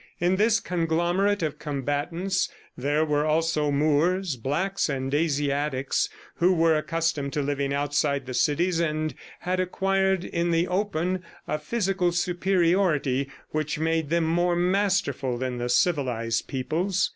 In this conglomerate of combatants, there were also Moors, blacks and Asiatics who were accustomed to live outside the cities and had acquired in the open a physical superiority which made them more masterful than the civilized peoples.